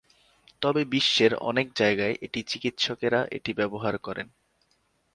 তবে বিশ্বের অনেক জায়গায় এটি চিকিৎসকেরা এটি ব্যবহার করেন।